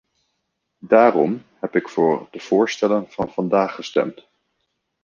Daarom heb ik voor de voorstellen van vandaag gestemd.